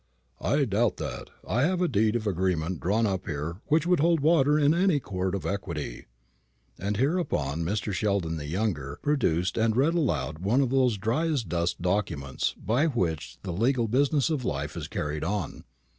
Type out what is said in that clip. "I doubt that. I have a deed of agreement drawn up here which would hold water in any court of equity." And hereupon Mr. Sheldon the younger produced and read aloud one of those dry as dust documents by which the legal business of life is carried on.